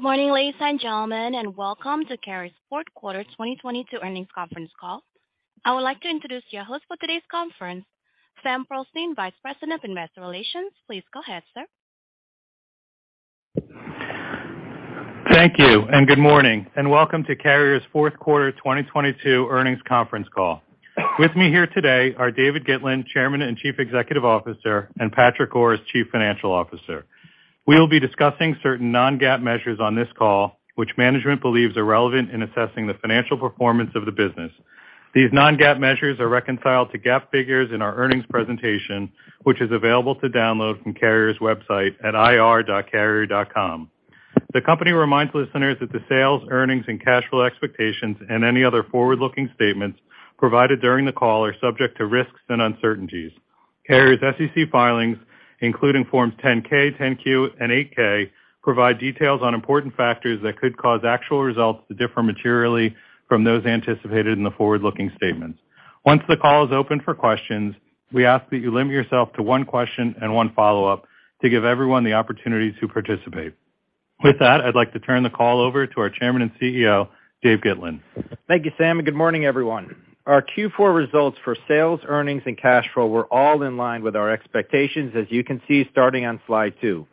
Good morning, ladies and gentlemen, and welcome to Carrier's Fourth Quarter 2022 Earnings Conference Call. I would like to introduce your host for today's conference, Sam Pearlstein, Vice President of Investor Relations. Please go ahead, sir. Thank you. Good morning, and welcome to Carrier's Fourth Quarter 2022 Earnings Conference Call. With me here today are David Gitlin, Chairman and Chief Executive Officer, and Patrick Goris, Chief Financial Officer. We will be discussing certain non-GAAP measures on this call, which management believes are relevant in assessing the financial performance of the business. These non-GAAP measures are reconciled to GAAP figures in our earnings presentation, which is available to download from Carrier's website at ir.carrier.com. The company reminds listeners that the sales, earnings, and cash flow expectations and any other forward-looking statements provided during the call are subject to risks and uncertainties. Carrier's SEC filings, including Forms 10-K, 10-Q, and 8-K provide details on important factors that could cause actual results to differ materially from those anticipated in the forward-looking statements. Once the call is open for questions, we ask that you limit yourself to one question and one follow-up to give everyone the opportunity to participate. I'd like to turn the call over to our Chairman and CEO, David Gitlin. Thank you, Sam. Good morning, everyone. Our Q4 results for sales, earnings, and cash flow were all in line with our expectations, as you can see starting on Slide 2.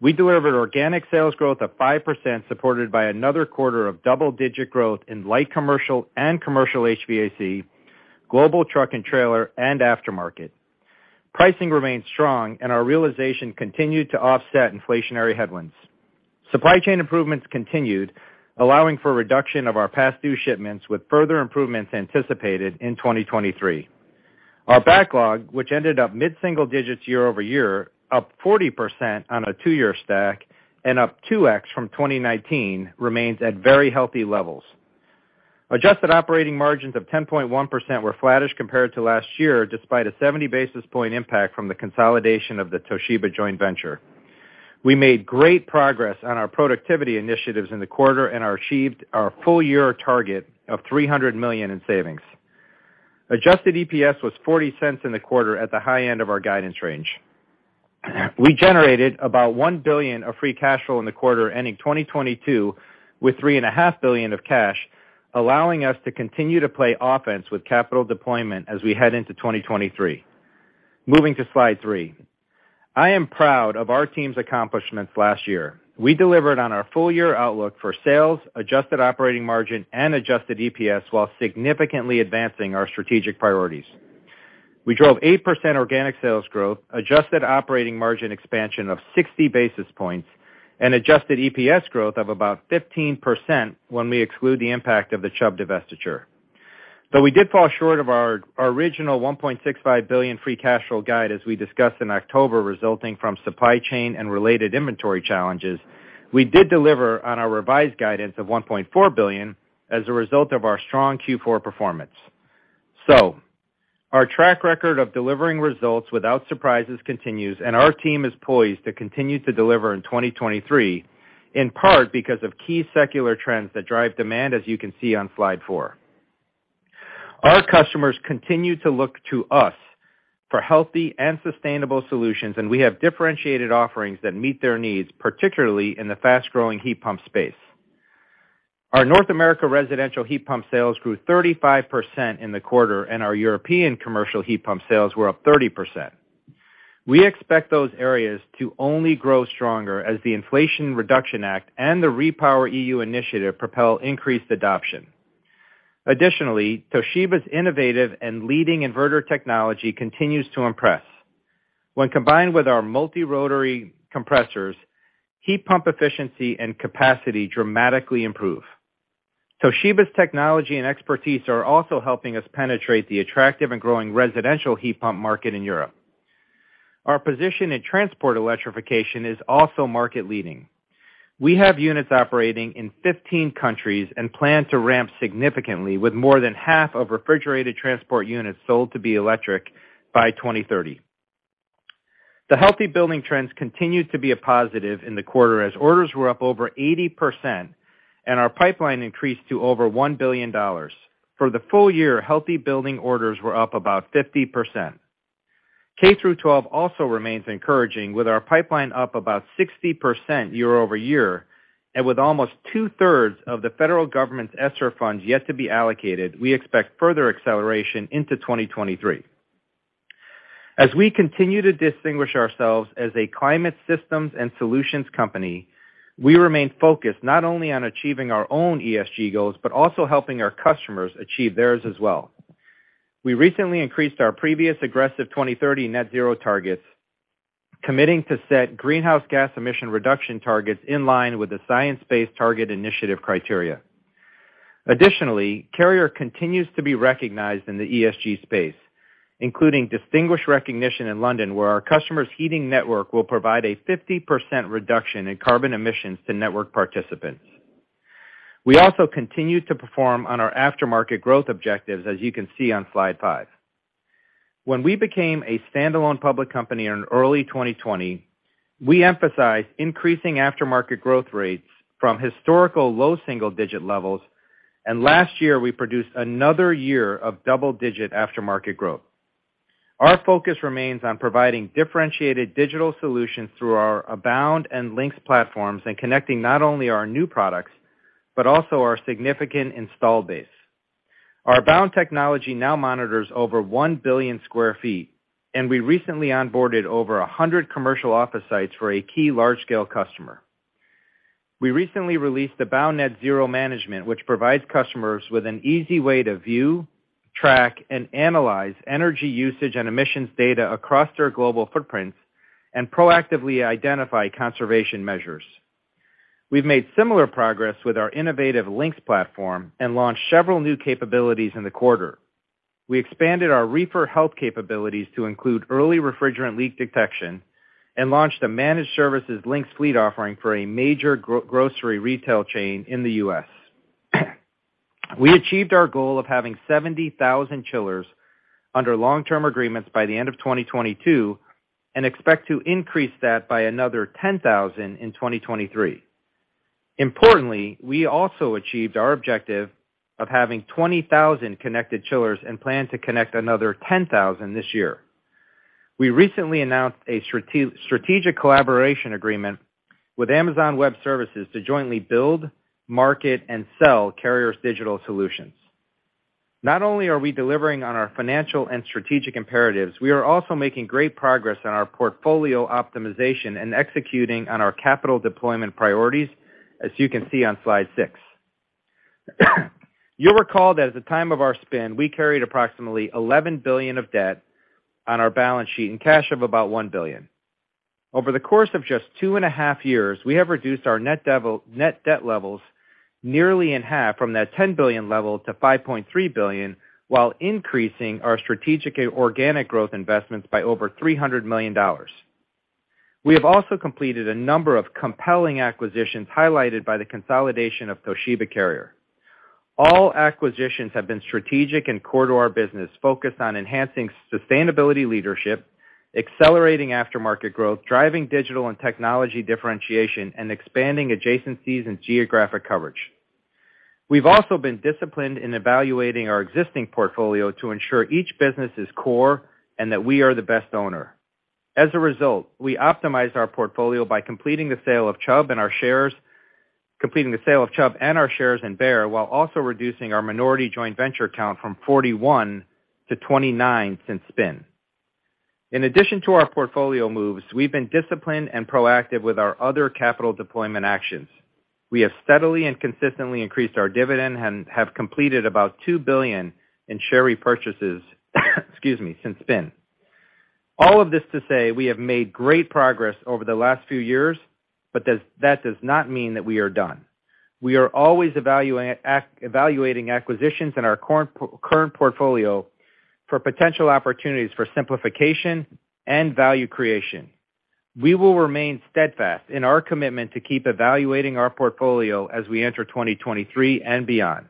We delivered organic sales growth of 5%, supported by another quarter of double-digit growth in light commercial and commercial HVAC, global truck and trailer, and aftermarket. Pricing remained strong. Our realization continued to offset inflationary headwinds. Supply chain improvements continued, allowing for a reduction of our past due shipments, with further improvements anticipated in 2023. Our backlog, which ended up mid-single digits year-over-year, up 40% on a two-year stack and up 2x from 2019, remains at very healthy levels. Adjusted operating margins of 10.1% were flattish compared to last year, despite a 70 basis point impact from the consolidation of the Toshiba joint venture. We made great progress on our productivity initiatives in the quarter, achieved our full year target of $300 million in savings. Adjusted EPS was $0.40 in the quarter at the high end of our guidance range. We generated about $1 billion of free cash flow in the quarter, ending 2022 with $3.5 billion of cash, allowing us to continue to play offense with capital deployment as we head into 2023. Moving to Slide 3. I am proud of our team's accomplishments last year. We delivered on our full year outlook for sales, adjusted operating margin, and adjusted EPS while significantly advancing our strategic priorities. We drove 8% organic sales growth, adjusted operating margin expansion of 60 basis points, and adjusted EPS growth of about 15% when we exclude the impact of the Chubb divestiture. Though we did fall short of our original $1.65 billion free cash flow guide as we discussed in October, resulting from supply chain and related inventory challenges, we did deliver on our revised guidance of $1.4 billion as a result of our strong Q4 performance. Our track record of delivering results without surprises continues, and our team is poised to continue to deliver in 2023, in part because of key secular trends that drive demand as you can see on Slide 4. Our customers continue to look to us for healthy and sustainable solutions, and we have differentiated offerings that meet their needs, particularly in the fast-growing heat pump space. Our North America residential heat pump sales grew 35% in the quarter, and our European commercial heat pump sales were up 30%. We expect those areas to only grow stronger as the Inflation Reduction Act and the REPowerEU initiative propel increased adoption. Additionally, Toshiba's innovative and leading inverter technology continues to impress. When combined with our multi-rotary compressors, heat pump efficiency and capacity dramatically improve. Toshiba's technology and expertise are also helping us penetrate the attractive and growing residential heat pump market in Europe. Our position in transport electrification is also market-leading. We have units operating in 15 countries and plan to ramp significantly with more than half of refrigerated transport units sold to be electric by 2030. The healthy building trends continued to be a positive in the quarter as orders were up over 80% and our pipeline increased to over $1 billion. For the full year, healthy building orders were up about 50%. K-12 also remains encouraging, with our pipeline up about 60% year-over-year, and with almost two-thirds of the federal government's ESSER funds yet to be allocated, we expect further acceleration into 2023. As we continue to distinguish ourselves as a climate systems and solutions company, we remain focused not only on achieving our own ESG goals, but also helping our customers achieve theirs as well. We recently increased our previous aggressive 2030 net zero targets, committing to set greenhouse gas emission reduction targets in line with the Science Based Targets initiative criteria. Additionally, Carrier continues to be recognized in the ESG space, including distinguished recognition in London, where our customer's heating network will provide a 50% reduction in carbon emissions to network participants. We also continue to perform on our aftermarket growth objectives, as you can see on Slide 5. When we became a standalone public company in early 2020, we emphasized increasing aftermarket growth rates from historical low single-digit levels. Last year we produced another year of double-digit aftermarket growth. Our focus remains on providing differentiated digital solutions through our Abound and Lynx platforms and connecting not only our new products, but also our significant install base. Our Abound technology now monitors over 1 billion sq ft. We recently onboarded over 100 commercial office sites for a key large-scale customer. We recently released the Abound Net Zero Management, which provides customers with an easy way to view, track, and analyze energy usage and emissions data across their global footprints and proactively identify conservation measures. We've made similar progress with our innovative Lynx platform. We launched several new capabilities in the quarter. We expanded our refer health capabilities to include early refrigerant leak detection and launched a managed services Lynx fleet offering for a major grocery retail chain in the U.S. We achieved our goal of having 70,000 chillers under long-term agreements by the end of 2022 and expect to increase that by another 10,000 in 2023. Importantly, we also achieved our objective of having 20,000 connected chillers and plan to connect another 10,000 this year. We recently announced a strategic collaboration agreement with Amazon Web Services to jointly build, market, and sell Carrier's digital solutions. Not only are we delivering on our financial and strategic imperatives, we are also making great progress on our portfolio optimization and executing on our capital deployment priorities, as you can see on Slide 6. You'll recall that at the time of our spin, we carried approximately $11 billion of debt on our balance sheet and cash of about $1 billion. Over the course of just two and a half years, we have reduced our net debt levels nearly in half from that $10 billion level to $5.3 billion, while increasing our strategic and organic growth investments by over $300 million. We have also completed a number of compelling acquisitions, highlighted by the consolidation of Toshiba Carrier. All acquisitions have been strategic and core to our business, focused on enhancing sustainability leadership, accelerating aftermarket growth, driving digital and technology differentiation, and expanding adjacencies and geographic coverage. We've also been disciplined in evaluating our existing portfolio to ensure each business is core and that we are the best owner. We optimize our portfolio by completing the sale of Chubb and our shares in Beijer Ref, while also reducing our minority joint venture count from 41 to 29 since spin. In addition to our portfolio moves, we've been disciplined and proactive with our other capital deployment actions. We have steadily and consistently increased our dividend and have completed about $2 billion in share repurchases, excuse me, since spin. All of this to say, we have made great progress over the last few years, that does not mean that we are done. We are always evaluating acquisitions in our current portfolio for potential opportunities for simplification and value creation. We will remain steadfast in our commitment to keep evaluating our portfolio as we enter 2023 and beyond.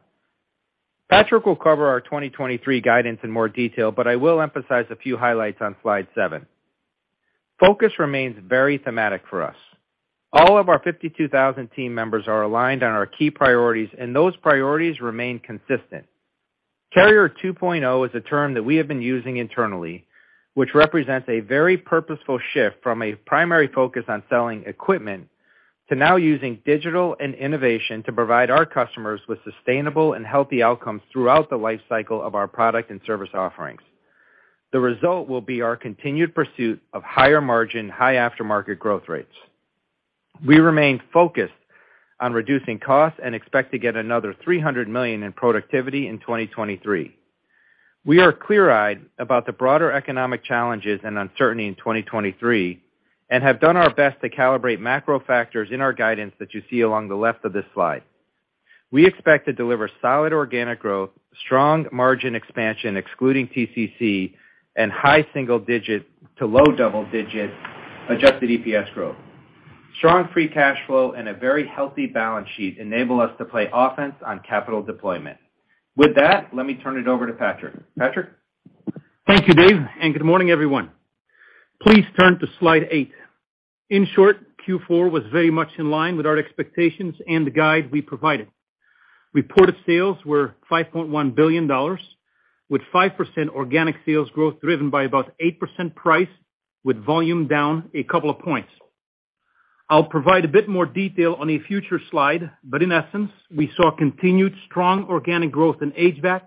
Patrick will cover our 2023 guidance in more detail. I will emphasize a few highlights on Slide 7. Focus remains very thematic for us. All of our 52,000 team members are aligned on our key priorities. Those priorities remain consistent. Carrier 2.0 is a term that we have been using internally, which represents a very purposeful shift from a primary focus on selling equipment to now using digital and innovation to provide our customers with sustainable and healthy outcomes throughout the life cycle of our product and service offerings. Result will be our continued pursuit of higher margin, high aftermarket growth rates. We remain focused on reducing costs and expect to get another $300 million in productivity in 2023. We are clear-eyed about the broader economic challenges and uncertainty in 2023 and have done our best to calibrate macro factors in our guidance that you see along the left of this slide. We expect to deliver solid organic growth, strong margin expansion excluding TCC, and high single digit to low double-digit adjusted EPS growth. Strong free cash flow and a very healthy balance sheet enable us to play offense on capital deployment. With that, let me turn it over to Patrick. Patrick? Thank you, Dave. Good morning, everyone. Please turn to Slide 8. In short, Q4 was very much in line with our expectations and the guide we provided. Reported sales were $5.1 billion, with 5% organic sales growth driven by about 8% price, with volume down a couple of points. I'll provide a bit more detail on a future slide, but in essence, we saw continued strong organic growth in HVAC,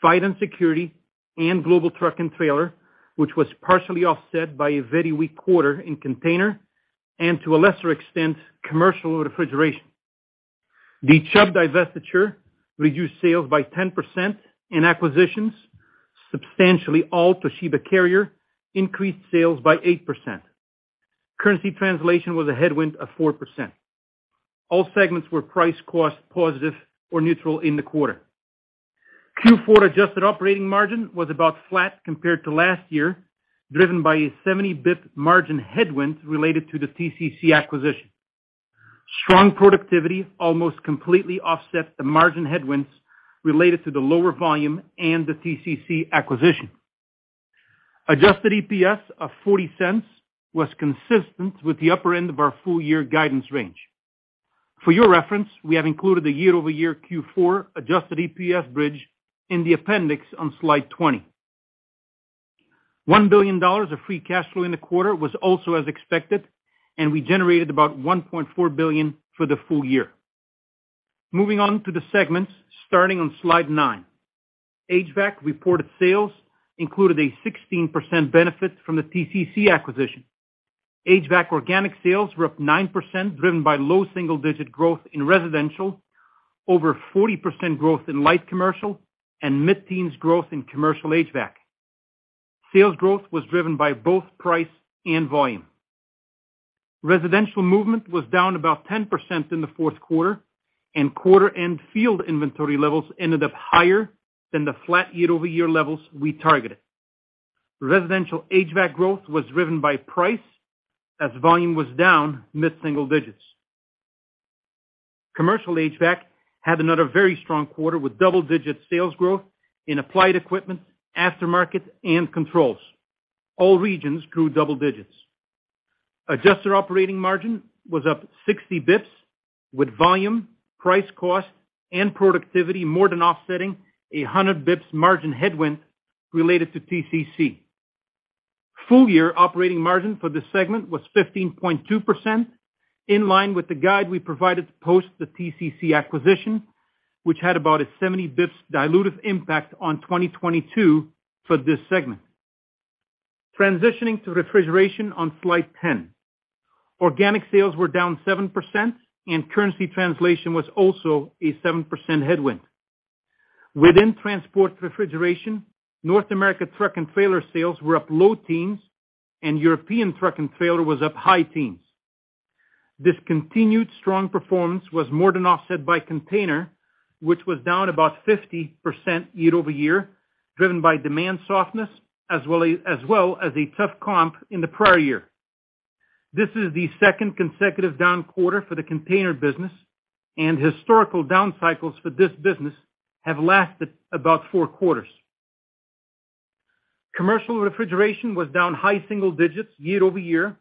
Fire & Security, and global truck and trailer, which was partially offset by a very weak quarter in container and, to a lesser extent, commercial refrigeration. The Chubb divestiture reduced sales by 10%. Acquisitions, substantially all Toshiba Carrier, increased sales by 8%. Currency translation was a headwind of 4%. All segments were price cost positive or neutral in the quarter. Q4 adjusted operating margin was about flat compared to last year, driven by a 70 basis points margin headwind related to the TCC acquisition. Strong productivity almost completely offset the margin headwinds related to the lower volume and the TCC acquisition. Adjusted EPS of $0.40 was consistent with the upper end of our full year guidance range. For your reference, we have included the year-over-year Q4 adjusted EPS bridge in the appendix on Slide 20. $1 billion of free cash flow in the quarter was also as expected, and we generated about $1.4 billion for the full year. Moving on to the segments, starting on Slide 9. HVAC reported sales included a 16% benefit from the TCC acquisition. HVAC organic sales were up 9% driven by low single-digit growth in residential, over 40% growth in light commercial, and mid-teens growth in commercial HVAC. Sales growth was driven by both price and volume. Residential movement was down about 10% in the fourth quarter, and quarter-end field inventory levels ended up higher than the flat year-over-year levels we targeted. Residential HVAC growth was driven by price as volume was down mid-single digits. Commercial HVAC had another very strong quarter with double-digit sales growth in applied equipment, aftermarket, and controls. All regions grew double digits. Adjusted operating margin was up 60 basis points with volume, price cost, and productivity more than offsetting a 100 basis points margin headwind related to TCC. Full-year operating margin for this segment was 15.2% in line with the guide we provided to post the TCC acquisition, which had about a 70 basis points dilutive impact on 2022 for this segment. Transitioning to refrigeration on Slide 10. Organic sales were down 7% and currency translation was also a 7% headwind. Within transport refrigeration, North America truck and trailer sales were up low teens and European truck and trailer was up high teens. This continued strong performance was more than offset by container, which was down about 50% year-over-year, driven by demand softness as well as a tough comp in the prior year. This is the second consecutive down quarter for the container business. Historical down cycles for this business have lasted about four quarters. Commercial refrigeration was down high single digits year-over-year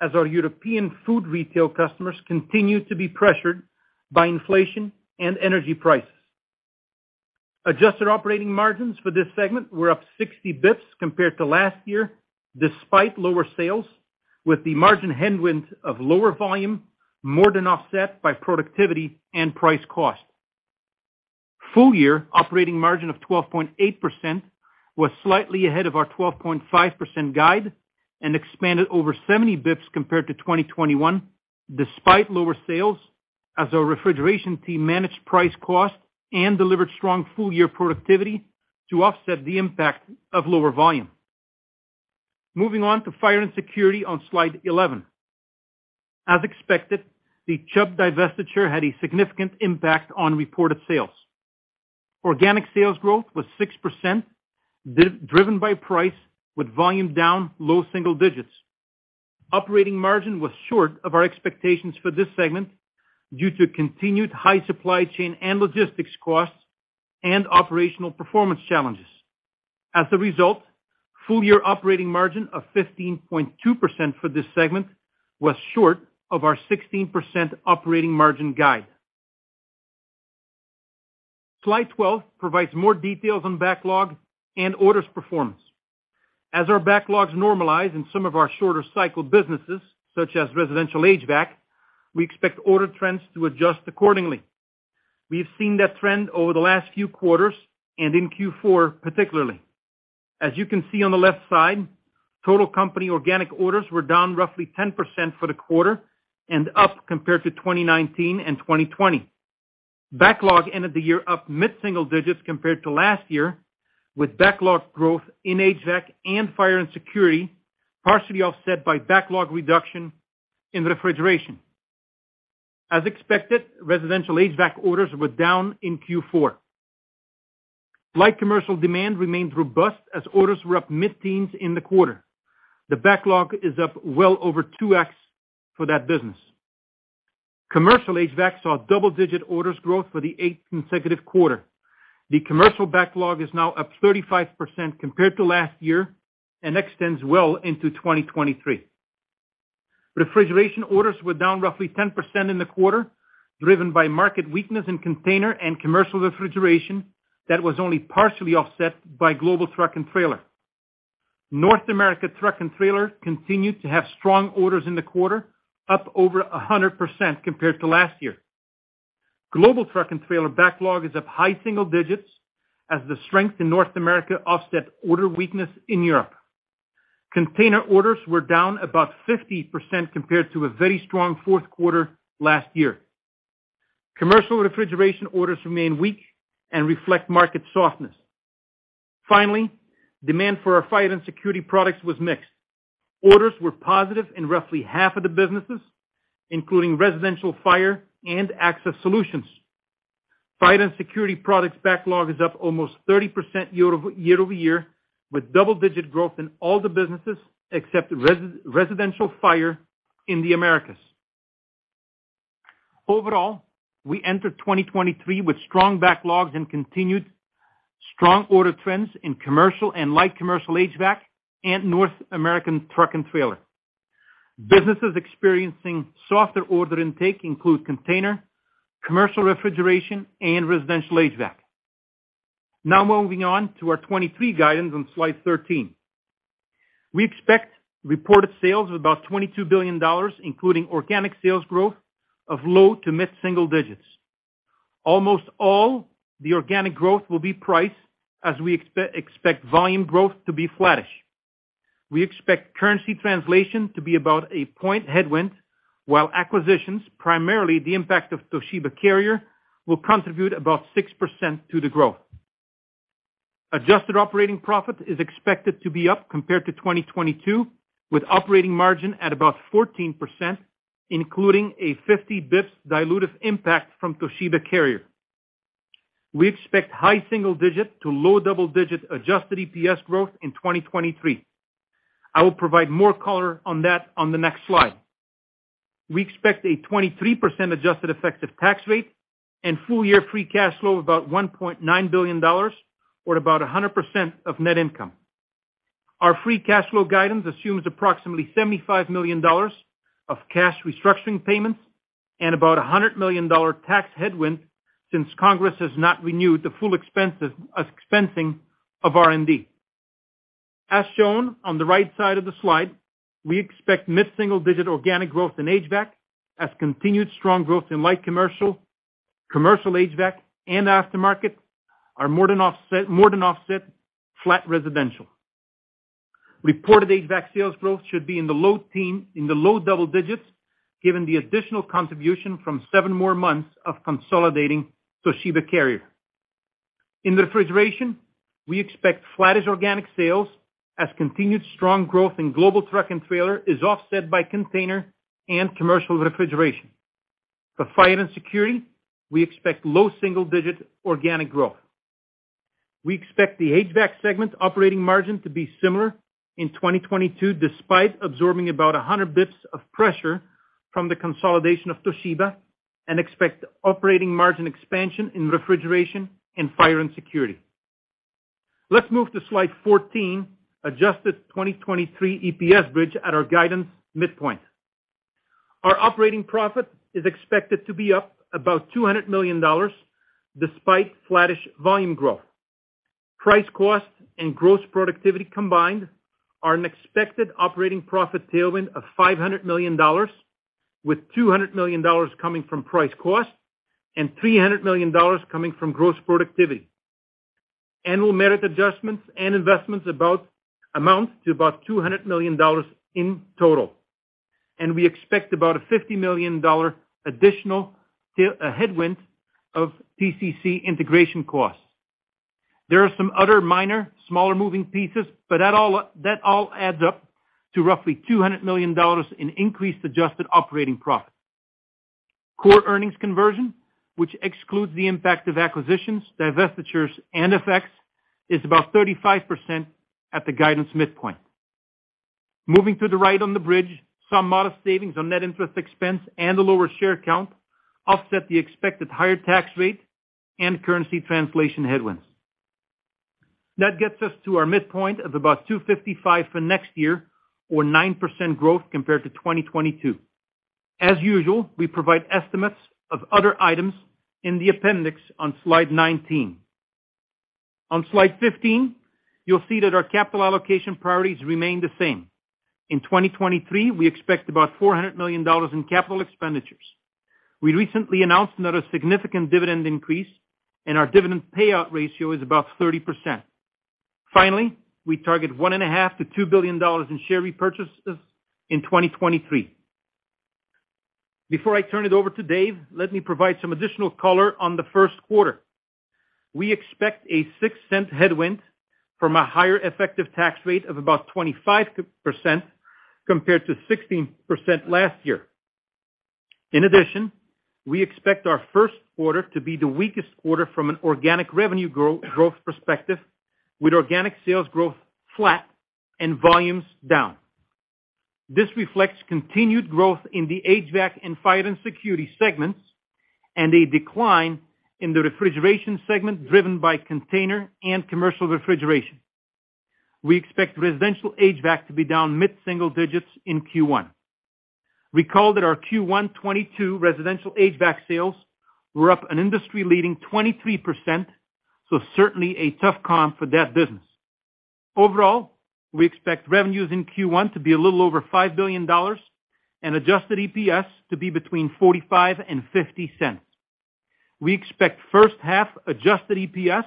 as our European food retail customers continued to be pressured by inflation and energy prices. Adjusted operating margins for this segment were up 60 basis points compared to last year, despite lower sales, with the margin headwind of lower volume more than offset by productivity and price cost. Full-year operating margin of 12.8% was slightly ahead of our 12.5% guide and expanded over 70 basis points compared to 2021, despite lower sales as our refrigeration team managed price cost and delivered strong full-year productivity to offset the impact of lower volume. Moving on to Fire & Security on Slide 11. As expected, the Chubb divestiture had a significant impact on reported sales. Organic sales growth was 6% driven by price with volume down low single digits. Operating margin was short of our expectations for this segment due to continued high supply chain and logistics costs and operational performance challenges. As a result, full-year operating margin of 15.2% for this segment was short of our 16% operating margin guide. Slide 12 provides more details on backlog and orders performance. As our backlogs normalize in some of our shorter cycle businesses, such as residential HVAC, we expect order trends to adjust accordingly. We have seen that trend over the last few quarters and in Q4, particularly. As you can see on the left side, total company organic orders were down roughly 10% for the quarter and up compared to 2019 and 2020. Backlog ended the year up mid-single digits compared to last year, with backlog growth in HVAC and Fire & Security, partially offset by backlog reduction in refrigeration. As expected, residential HVAC orders were down in Q4. Light commercial demand remains robust as orders were up mid-teens in the quarter. The backlog is up well over 2x for that business. Commercial HVAC saw double-digit orders growth for the 8th consecutive quarter. The commercial backlog is now up 35% compared to last year and extends well into 2023. Refrigeration orders were down roughly 10% in the quarter, driven by market weakness in container and commercial refrigeration that was only partially offset by global truck and trailer. North America truck and trailer continued to have strong orders in the quarter, up over 100% compared to last year. Global truck and trailer backlog is up high single digits as the strength in North America offset order weakness in Europe. Container orders were down about 50% compared to a very strong fourth quarter last year. Commercial refrigeration orders remain weak and reflect market softness. Finally, demand for our Fire & Security products was mixed. Orders were positive in roughly half of the businesses, including residential fire and access solutions. Fire & Security products backlog is up almost 30% year over year, with double-digit growth in all the businesses except residential fire in the Americas. We enter 2023 with strong backlogs and continued strong order trends in commercial and light commercial HVAC and North American truck and trailer. Businesses experiencing softer order intake include container, commercial refrigeration, and residential HVAC. Moving on to our 2023 guidance on Slide 13. We expect reported sales of about $22 billion, including organic sales growth of low to mid-single digits. Almost all the organic growth will be price as we expect volume growth to be flattish. We expect currency translation to be about a point headwind, while acquisitions, primarily the impact of Toshiba Carrier, will contribute about 6% to the growth. Adjusted operating profit is expected to be up compared to 2022, with operating margin at about 14%, including a 50 bps dilutive impact from Toshiba Carrier. We expect high single-digit to low double-digit adjusted EPS growth in 2023. I will provide more color on that on the next slide. We expect a 23% adjusted effective tax rate and full year free cash flow of about $1.9 billion, or about 100% of net income. Our free cash flow guidance assumes approximately $75 million of cash restructuring payments and about a $100 million tax headwind since Congress has not renewed the full expensing of R&D. As shown on the right side of the slide, we expect mid-single digit organic growth in HVAC as continued strong growth in light commercial HVAC, and aftermarket are more than offset flat residential. Reported HVAC sales growth should be in the low double digits, given the additional contribution from 7 more months of consolidating Toshiba Carrier. In refrigeration, we expect flattish organic sales as continued strong growth in global truck and trailer is offset by container and commercial refrigeration. For Fire & Security, we expect low single-digit organic growth. We expect the HVAC segment operating margin to be similar in 2022, despite absorbing about 100 basis points of pressure from the consolidation of Toshiba and expect operating margin expansion in refrigeration and Fire & Security. Let's move to Slide 14, adjusted 2023 EPS bridge at our guidance midpoint. Our operating profit is expected to be up about $200 million, despite flattish volume growth. Price cost and gross productivity combined are an expected operating profit tailwind of $500 million, with $200 million coming from price cost and $300 million coming from gross productivity. Annual merit adjustments and investments amount to about $200 million in total. We expect about a $50 million additional headwind of TCC integration costs. There are some other minor smaller moving pieces, but that all adds up to roughly $200 million in increased adjusted operating profit. Core earnings conversion, which excludes the impact of acquisitions, divestitures, and effects, is about 35% at the guidance midpoint. Moving to the right on the bridge, some modest savings on net interest expense and a lower share count offset the expected higher tax rate and currency translation headwinds. That gets us to our midpoint of about $2.55 for next year or 9% growth compared to 2022. As usual, we provide estimates of other items in the appendix on Slide 19. On Slide 15, you'll see that our capital allocation priorities remain the same. In 2023, we expect about $400 million in capital expenditures. We recently announced another significant dividend increase, and our dividend payout ratio is about 30%. Finally, we target $1.5 billion-$2 billion in share repurchases in 2023. Before I turn it over to Dave, let me provide some additional color on the first quarter. We expect a $0.06 headwind from a higher effective tax rate of about 25% compared to 16% last year. In addition, we expect our first quarter to be the weakest quarter from an organic revenue growth perspective, with organic sales growth flat and volumes down. This reflects continued growth in the HVAC and Fire & Security segments and a decline in the refrigeration segment driven by container and commercial refrigeration. We expect residential HVAC to be down mid-single digits in Q1. Recall that our Q1 2022 residential HVAC sales were up an industry-leading 23%, certainly a tough comp for that business. Overall, we expect revenues in Q1 to be a little over $5 billion and adjusted EPS to be between $0.45 and $0.50. We expect first half adjusted EPS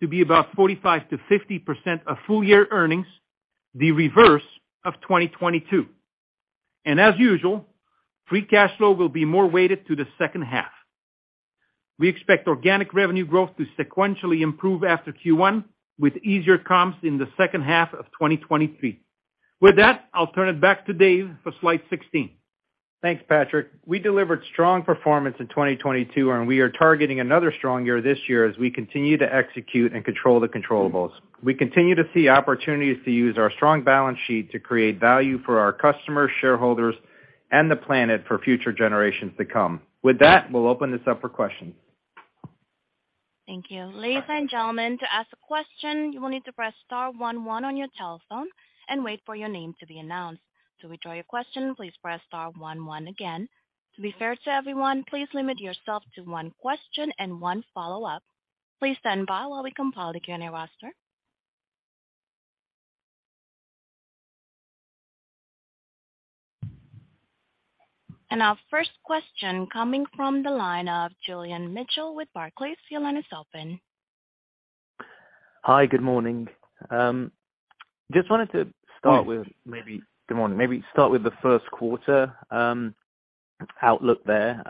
to be about 45%-50% of full year earnings, the reverse of 2022. As usual, free cash flow will be more weighted to the second half. We expect organic revenue growth to sequentially improve after Q1 with easier comps in the second half of 2023. With that, I'll turn it back to Dave for Slide 16. Thanks, Patrick. We delivered strong performance in 2022, and we are targeting another strong year this year as we continue to execute and control the controllables. We continue to see opportunities to use our strong balance sheet to create value for our customers, shareholders and the planet for future generations to come. With that, we'll open this up for questions. Thank you. Ladies and gentlemen, to ask a question, you will need to press star one one on your telephone and wait for your name to be announced. To withdraw your question, please press star one one again. To be fair to everyone, please limit yourself to one question and one follow-up. Please stand by while we compile the Q&A roster. Our first question coming from the line of Julian Mitchell with Barclays. Your line is open. Hi, good morning. Just wanted to start with good morning. Maybe start with the first quarter, outlook there.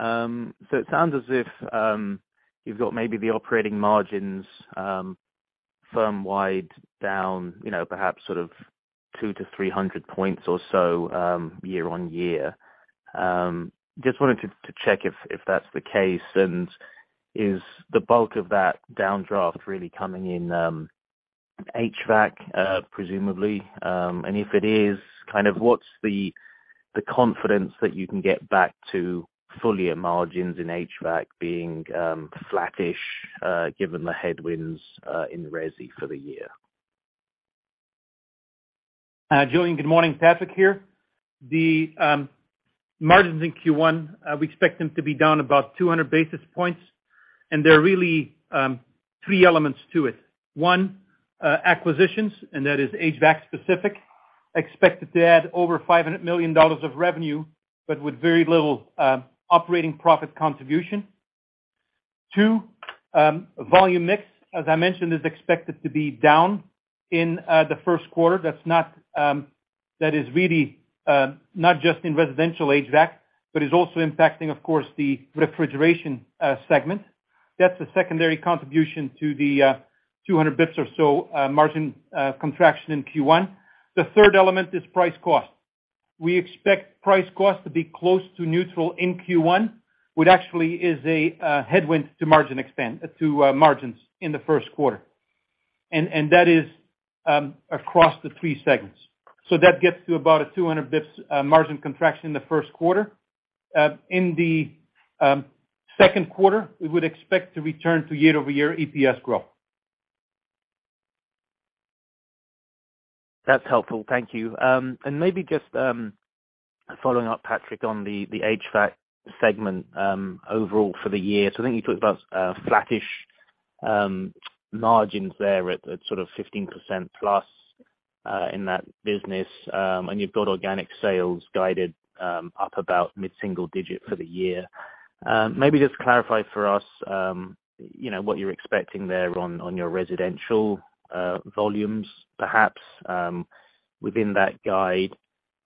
It sounds as if, you've got maybe the operating margins, firm-wide down, you know, perhaps sort of 200-300 points or so, year-over-year. Just wanted to check if that's the case. Is the bulk of that downdraft really coming in, HVAC, presumably? If it is, kind of what's the confidence that you can get back to full year margins in HVAC being, flattish, given the headwinds, in resi for the year? Julian, good morning. Patrick here. Margins in Q1, we expect them to be down about 200 basis points. There are really three elements to it. One, acquisitions. That is HVAC specific, expected to add over $500 million of revenue, but with very little operating profit contribution. Two, volume mix, as I mentioned, is expected to be down in the first quarter. That is really not just in residential HVAC, but is also impacting, of course, the refrigeration segment. That's a secondary contribution to the 200 basis points or so margin contraction in Q1. The third element is price cost. We expect price cost to be close to neutral in Q1. What actually is a headwind to margins in the first quarter. That is across the three segments. That gets to about a 200 basis points margin contraction in the first quarter. In the second quarter, we would expect to return to year-over-year EPS growth. That's helpful. Thank you. Maybe just following up, Patrick, on the HVAC segment, overall for the year. I think you talked about flattish margins there at sort of 15%+ in that business. You've got organic sales guided up about mid-single digit for the year. Maybe just clarify for us, you know, what you're expecting there on your residential volumes, perhaps, within that guide.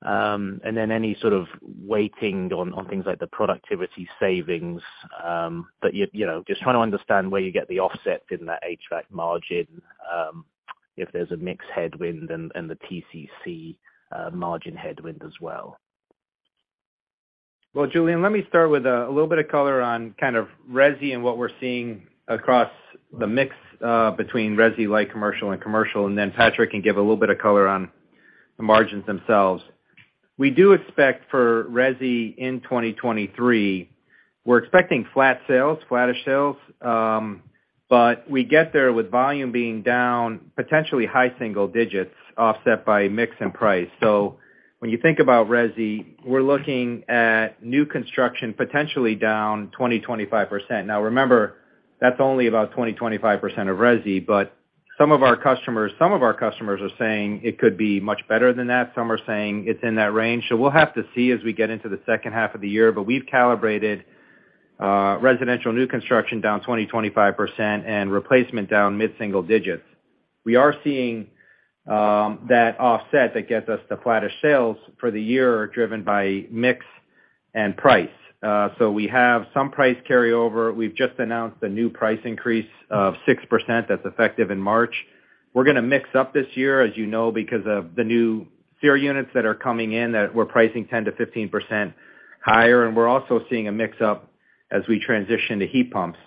Then any sort of weighting on things like the productivity savings that, you know... Just trying to understand where you get the offset in that HVAC margin, if there's a mix headwind and the TCC margin headwind as well. Julian, let me start with a little bit of color on kind of resi and what we're seeing across the mix between resi, light commercial and commercial, and then Patrick can give a little bit of color on the margins themselves. We do expect for resi in 2023, we're expecting flat sales, flattish sales, but we get there with volume being down potentially high single digits offset by mix and price. When you think about resi, we're looking at new construction potentially down 20%-25%. Remember, that's only about 20%-25% of resi, but some of our customers are saying it could be much better than that. Some are saying it's in that range. We'll have to see as we get into the second half of the year, but we've calibrated residential new construction down 20%-25% and replacement down mid-single digits. We are seeing that offset that gets us to flattish sales for the year are driven by mix and price. We have some price carryover. We've just announced a new price increase of 6% that's effective in March. We're gonna mix up this year, as you know, because of the new SEER units that are coming in that we're pricing 10%-15% higher, and we're also seeing a mix up as we transition to heat pumps.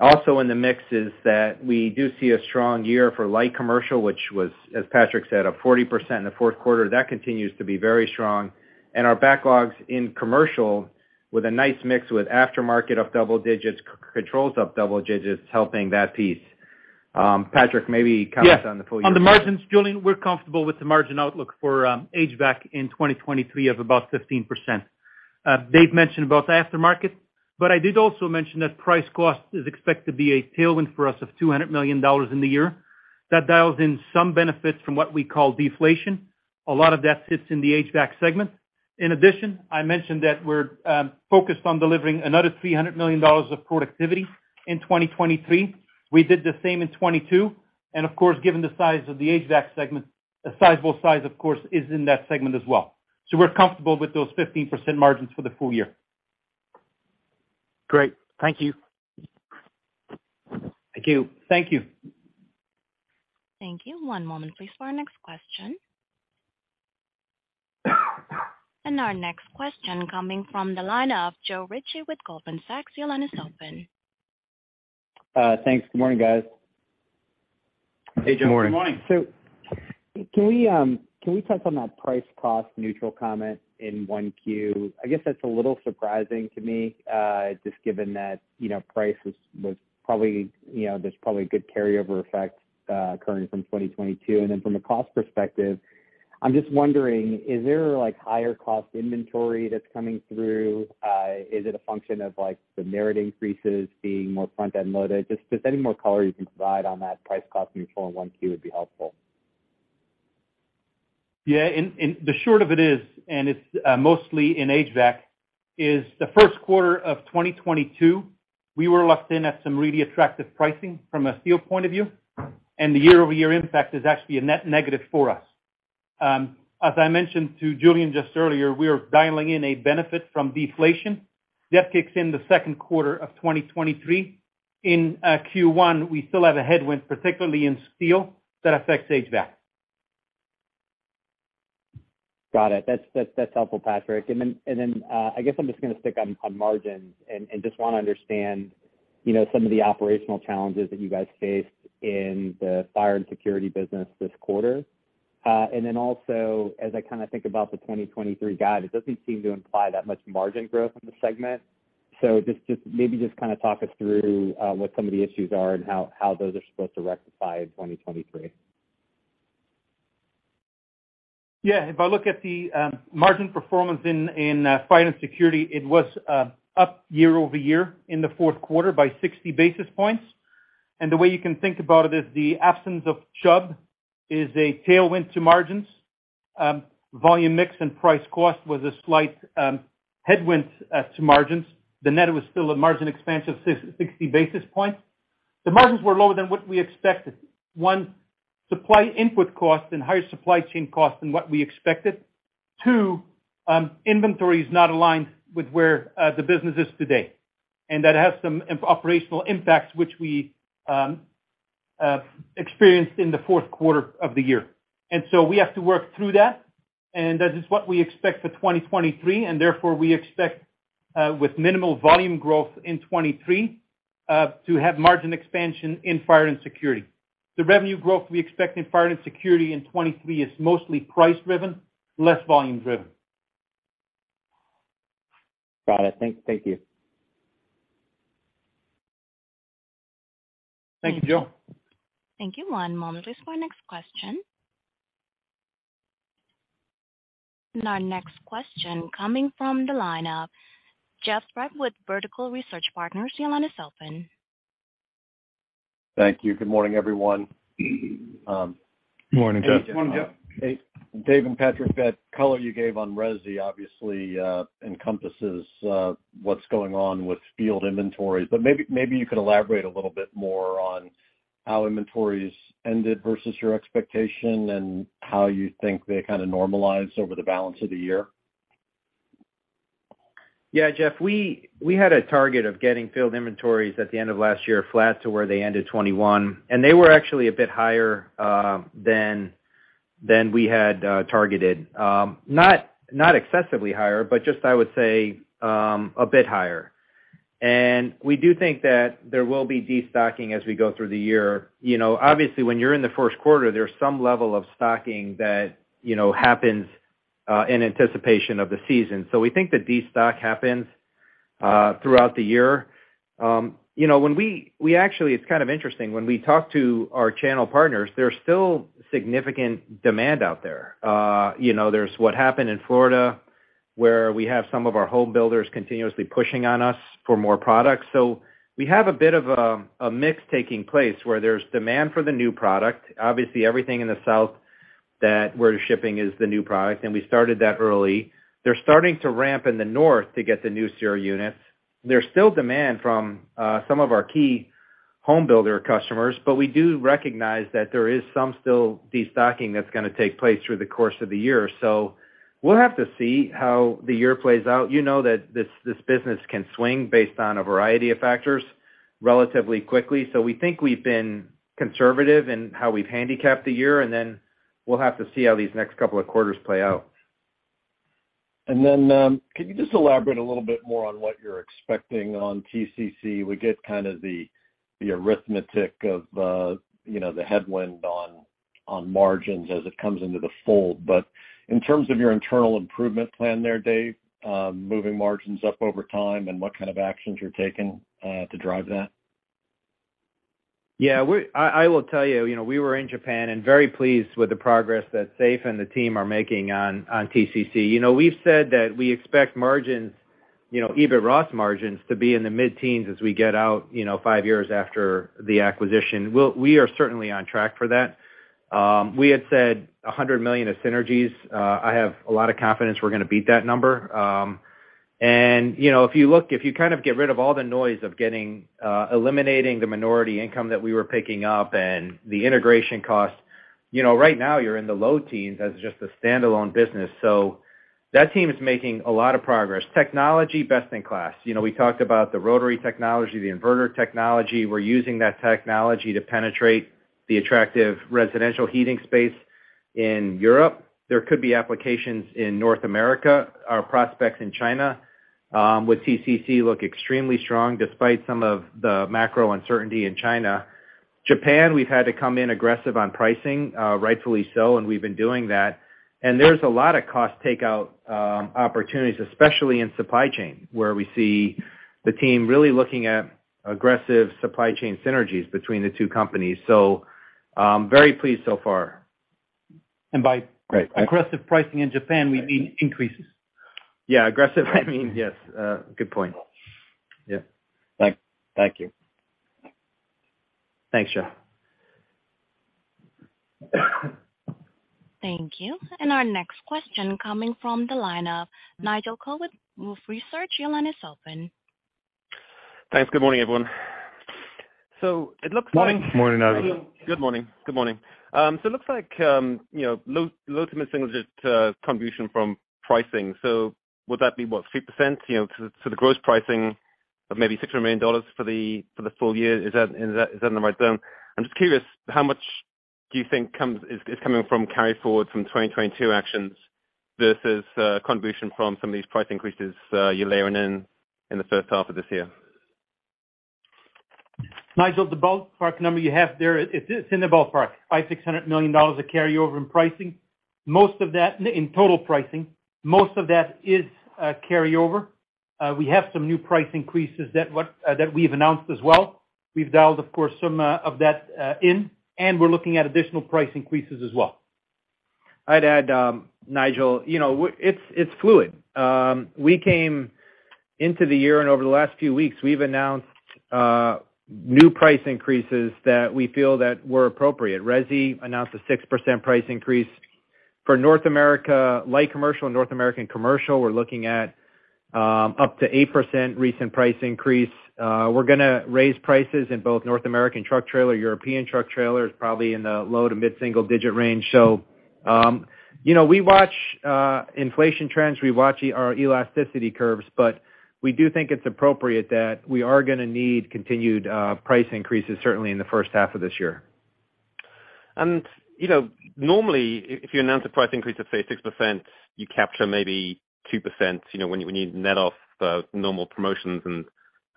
Also in the mix is that we do see a strong year for light commercial, which was, as Patrick said, up 40% in the fourth quarter. That continues to be very strong. Our backlogs in commercial with a nice mix with aftermarket up double digits, controls up double digits, helping that piece. Patrick, maybe comment on the full year. Yes. On the margins, Julian, we're comfortable with the margin outlook for HVAC in 2023 of about 15%. Dave mentioned about aftermarket, but I did also mention that price cost is expected to be a tailwind for us of $200 million in the year. That dials in some benefits from what we call deflation. A lot of that sits in the HVAC segment. In addition, I mentioned that we're focused on delivering another $300 million of productivity in 2023. We did the same in 2022. Of course, given the size of the HVAC segment, a sizable size of course is in that segment as well. We're comfortable with those 15% margins for the full year. Great. Thank you. Thank you. Thank you. Thank you. One moment please for our next question. Our next question coming from the line of Joe Ritchie with Goldman Sachs. Your line is open. Thanks. Good morning, guys. Hey, Joe. Good morning. Good morning. Can we touch on that price cost neutral comment in 1Q? I guess that's a little surprising to me, just given that, you know, price was probably, you know, there's probably a good carryover effect occurring from 2022. From a cost perspective, I'm just wondering, is there like higher cost inventory that's coming through? Is it a function of like the merit increases being more front-end loaded? Just if any more color you can provide on that price cost neutral in 1Q would be helpful. Yeah. The short of it is, and it's mostly in HVAC is the first quarter of 2022, we were locked in at some really attractive pricing from a steel point of view, and the year-over-year impact is actually a net negative for us. As I mentioned to Julian just earlier, we are dialing in a benefit from deflation. That kicks in the second quarter of 2023. In Q1, we still have a headwind, particularly in steel, that affects HVAC. Got it. That's helpful, Patrick. I guess I'm just gonna stick on margins and just wanna understand, you know, some of the operational challenges that you guys faced in the Fire & Security business this quarter. Also, as I kinda think about the 2023 guide, it doesn't seem to imply that much margin growth in the segment. Just maybe kinda talk us through what some of the issues are and how those are supposed to rectify in 2023. Yeah. If I look at the margin performance in Fire & Security, it was up year-over-year in the fourth quarter by 60 basis points. The way you can think about it is the absence of Chubb is a tailwind to margins. Volume mix and price cost was a slight headwind to margins. The net was still a margin expansion of 60 basis points. The margins were lower than what we expected. One, supply input costs and higher supply chain costs than what we expected. Two, inventory is not aligned with where the business is today, and that has some operational impacts, which we experienced in the fourth quarter of the year. We have to work through that, and that is what we expect for 2023, and therefore we expect with minimal volume growth in 2023 to have margin expansion in Fire & Security. The revenue growth we expect in Fire & Security in 2023 is mostly price driven, less volume driven. Got it. Thank you. Thank you, Joe. Thank you. One moment please for our next question. Our next question coming from the line of Jeffrey Sprague with Vertical Research Partners. Your line is open. Thank you. Good morning, everyone. Good morning, Jeff. Good morning, Jeff. Hey, Dave and Patrick, that color you gave on resi obviously encompasses what's going on with field inventories. Maybe you could elaborate a little bit more on how inventories ended versus your expectation and how you think they kinda normalize over the balance of the year? Yeah, Jeff. We had a target of getting field inventories at the end of last year flat to where they ended 2021, and they were actually a bit higher than we had targeted. Not excessively higher, but just I would say a bit higher. We do think that there will be destocking as we go through the year. You know, obviously, when you're in the first quarter, there's some level of stocking that, you know, happens in anticipation of the season. We think that destock happens throughout the year. You know, it's kind of interesting. When we talk to our channel partners, there's still significant demand out there. You know, there's what happened in Florida, where we have some of our home builders continuously pushing on us for more products. We have a bit of a mix taking place where there's demand for the new product. Obviously, everything in the South that we're shipping is the new product, and we started that early. They're starting to ramp in the North to get the new SEER units. There's still demand from some of our key home builder customers. We do recognize that there is some still destocking that's gonna take place through the course of the year. We'll have to see how the year plays out. You know that this business can swing based on a variety of factors relatively quickly. We think we've been conservative in how we've handicapped the year. We'll have to see how these next couple of quarters play out. Can you just elaborate a little bit more on what you're expecting on TCC? We get kind of the arithmetic of, you know, the headwind on margins as it comes into the fold. In terms of your internal improvement plan there, Dave, moving margins up over time and what kind of actions you're taking, to drive that. Yeah. I will tell you know, we were in Japan and very pleased with the progress that Saif and the team are making on TCC. You know, we've said that we expect margins, you know, EBITDA margins to be in the mid-teens as we get out, you know, 5 years after the acquisition. We are certainly on track for that. We had said $100 million of synergies. I have a lot of confidence we're gonna beat that number. You know, if you look, if you kind of get rid of all the noise of getting, eliminating the minority income that we were picking up and the integration costs, you know, right now you're in the low teens as just a standalone business. That team is making a lot of progress. Technology, best in class. You know, we talked about the rotary technology, the inverter technology. We're using that technology to penetrate the attractive residential heating space. In Europe, there could be applications in North America. Our prospects in China, with TCC look extremely strong despite some of the macro uncertainty in China. Japan, we've had to come in aggressive on pricing, rightfully so, and we've been doing that. There's a lot of cost takeout opportunities, especially in supply chain, where we see the team really looking at aggressive supply chain synergies between the two companies. Very pleased so far. And by- Right. aggressive pricing in Japan, we mean increases. Yeah. Aggressive, I mean, yes. good point. Yeah. Thank you. Thanks, Jeff. Thank you. Our next question coming from the line of Nigel Coe with Wolfe Research. Your line is open. Thanks. Good morning, everyone. Morning. Morning, Nigel. Good morning. Good morning. It looks like, you know, low to mid-single digit contribution from pricing. Would that be, what, 3%, you know, to the gross pricing of maybe $600 million for the full year? Is that in the right zone? I'm just curious, how much do you think is coming from carryforward from 2022 actions versus contribution from some of these price increases, you're layering in the first half of this year? Nigel, the ballpark number you have there, it's in the ballpark, $500 million-$600 million of carryover in pricing. In total pricing. Most of that is carryover. We have some new price increases that we've announced as well. We've dialed, of course, some of that in, and we're looking at additional price increases as well. I'd add, Nigel, you know, it's fluid. We came into the year, and over the last few weeks, we've announced new price increases that we feel that were appropriate. Resi announced a 6% price increase. For North America Light Commercial and North American Commercial, we're looking at up to 8% recent price increase. We're gonna raise prices in both North American truck trailer, European truck trailers, probably in the low to mid-single digit range. You know, we watch inflation trends. We watch our elasticity curves, but we do think it's appropriate that we are gonna need continued price increases certainly in the first half of this year. You know, normally if you announce a price increase of, say, 6%, you capture maybe 2%, you know, when you net off the normal promotions and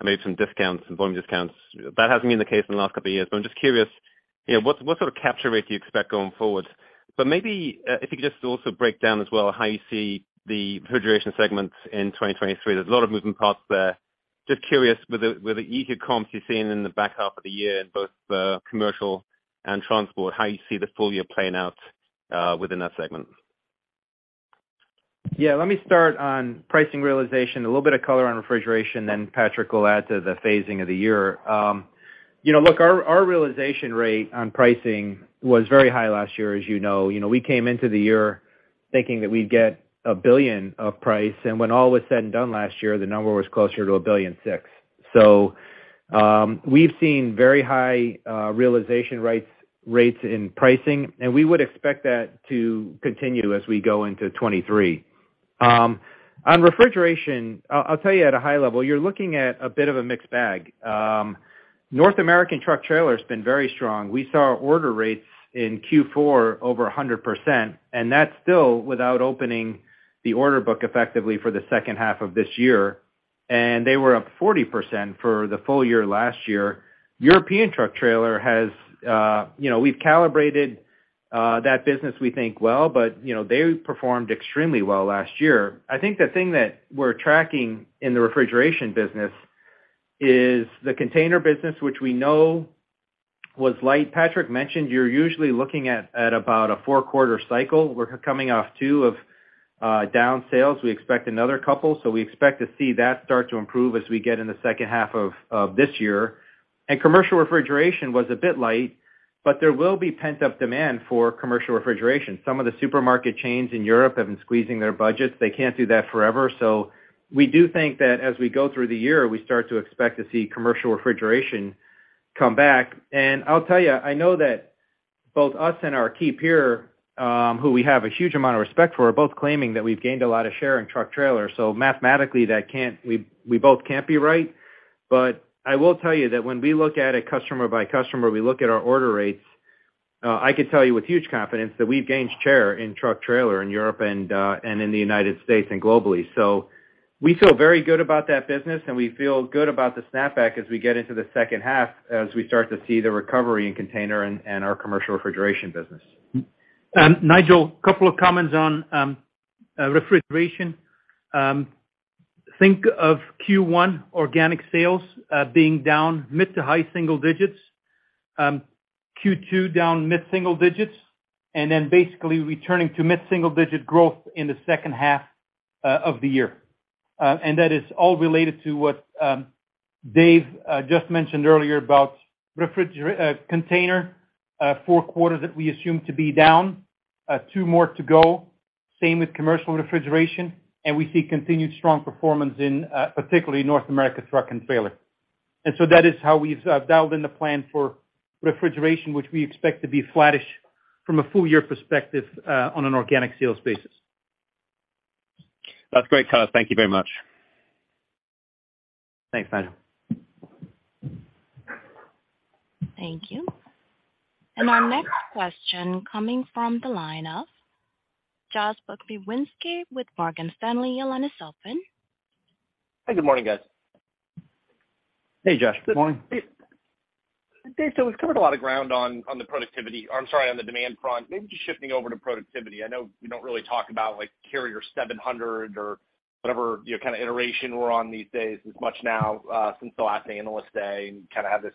maybe some discounts and volume discounts. That hasn't been the case in the last couple of years. I'm just curious, you know, what sort of capture rate do you expect going forward? Maybe, if you could just also break down as well how you see the refrigeration segment in 2023. There's a lot of moving parts there. Just curious, with the easier comps you're seeing in the back half of the year in both the commercial and transport, how you see the full year playing out within that segment. Yeah, let me start on pricing realization, a little bit of color on refrigeration. Patrick will add to the phasing of the year. You know, look, our realization rate on pricing was very high last year, as you know. You know, we came into the year thinking that we'd get $1 billion of price, when all was said and done last year, the number was closer to $1.6 billion. We've seen very high realization rates in pricing. We would expect that to continue as we go into 2023. On refrigeration, I'll tell you at a high level, you're looking at a bit of a mixed bag. North American truck trailer has been very strong. We saw order rates in Q4 over 100%, that's still without opening the order book effectively for the second half of this year. They were up 40% for the full year last year. European truck trailer has, you know, we've calibrated that business, we think well, you know, they performed extremely well last year. I think the thing that we're tracking in the refrigeration business is the container business, which we know was light. Patrick mentioned you're usually looking at about a four-quarter cycle. We're coming off two of down sales. We expect another couple. We expect to see that start to improve as we get in the second half of this year. Commercial refrigeration was a bit light, there will be pent-up demand for commercial refrigeration. Some of the supermarket chains in Europe have been squeezing their budgets. They can't do that forever. We do think that as we go through the year, we start to expect to see commercial refrigeration come back. I'll tell you, I know that both us and our key peer, who we have a huge amount of respect for, are both claiming that we've gained a lot of share in truck trailer. Mathematically, that can't we both can't be right. I will tell you that when we look at it customer by customer, we look at our order rates, I could tell you with huge confidence that we've gained share in truck trailer in Europe and in the United States and globally. We feel very good about that business, and we feel good about the snapback as we get into the second half as we start to see the recovery in container and our commercial refrigeration business. Nigel, couple of comments on refrigeration. Think of Q1 organic sales being down mid to high single digits, Q2 down mid single digits, then basically returning to mid single digit growth in the second half of the year. That is all related to what Dave just mentioned earlier about container, four quarters that we assume to be down, two more to go. Same with commercial refrigeration. We see continued strong performance in particularly North America truck and trailer. That is how we've dialed in the plan for refrigeration, which we expect to be flattish from a full year perspective on an organic sales basis. That's great, guys. Thank you very much. Thanks, Nigel. Thank you. Our next question coming from the line of Josh Pokrzywinski with Morgan Stanley. Your line is open. Hi, good morning, guys. Hey, Josh. Good morning. We've covered a lot of ground on the productivity or I'm sorry, on the demand front. Maybe just shifting over to productivity. I know we don't really talk about like Carrier 700 or whatever, you know, kind of iteration we're on these days as much now, since the last analyst day, and kind of have this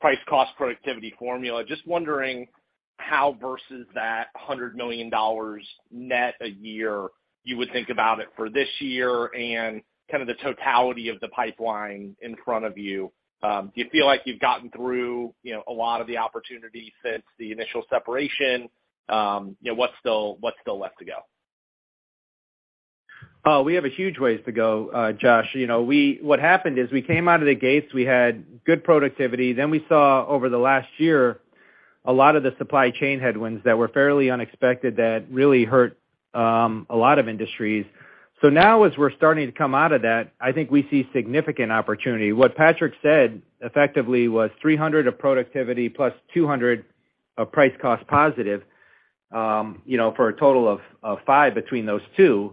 price cost productivity formula. Just wondering how versus that $100 million net a year you would think about it for this year and kind of the totality of the pipeline in front of you. Do you feel like you've gotten through, you know, a lot of the opportunities since the initial separation? You know, what's still left to go? We have a huge ways to go, Josh. You know, what happened is we came out of the gates, we had good productivity. We saw over the last year a lot of the supply chain headwinds that were fairly unexpected that really hurt a lot of industries. As we're starting to come out of that, I think we see significant opportunity. What Patrick said effectively was 300 of productivity plus 200 of price cost positive, you know, for a total of 5 between those two.